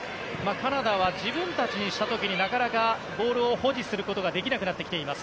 カナダは自分たちにした時になかなかボールを保持することができなくなってきています。